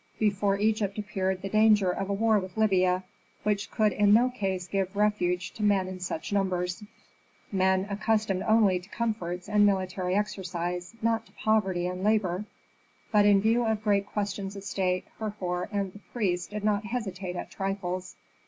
Before Egypt appeared the danger of a war with Libya, which could in no case give refuge to men in such numbers, men accustomed only to comforts and military exercise, not to poverty and labor. But in view of great questions of state, Herhor and the priests did not hesitate at trifles.